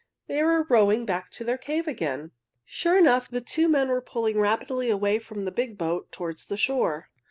"They are rowing back to their cave again!" Sure enough, the two men were pulling rapidly away from the big boat toward the shore.